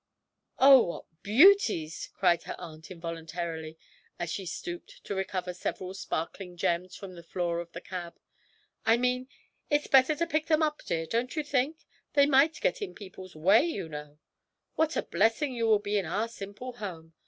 'Oh, what beauties!' cried her aunt, involuntarily, as she stooped to recover several sparkling gems from the floor of the cab. 'I mean it's better to pick them up, dear, don't you think? they might get in people's way, you know. What a blessing you will be in our simple home!